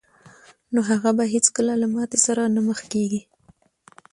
نو هغه به هېڅکله له ماتې سره نه مخ کېږي